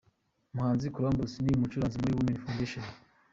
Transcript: Umuhanzi Columbus ni umucuranzi muri Women Foundation.